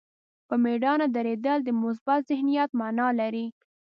په مېړانه درېدل د مثبت ذهنیت معنا لري.